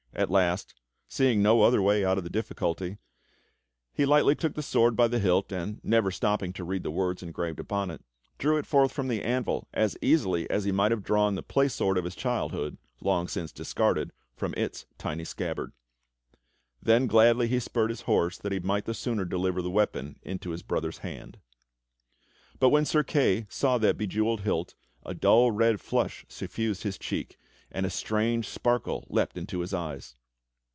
At last, seeing now ARTHUR WON HIS KINGDOM 21 no other way out of the difficulty, he lightly took the sword by the hilt, and, never stopping to read the words engraved upon it, drew it forth from the anvil as easily as he might have drawn the play sword of his childhood, long since discarded, from its tiny scabbard. Then gladly he spurred his horse that he might the sooner deliver the weapon into his brother's hand. "THE KNIGHT'S VIGIL"* * Tlie Vig'1, Petlie, Tate Gallery, London. [Cou,7iesj of Braun ct Cie.] But when Sir Kay saw that bejewelled hilt, a dull red flush suf fused his cheek, and a strange sparkle leapt into his eyes.